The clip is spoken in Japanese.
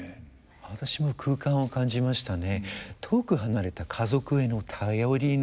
私も空間を感じましたね。